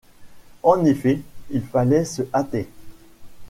En effet, il fallait se hâter.